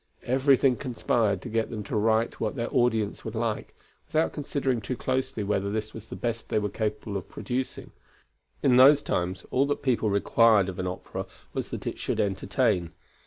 Everything conspired to get them to write what their audience would like, without considering too closely whether this was the best they were capable of producing. In those times all that people required of an opera was that it should entertain.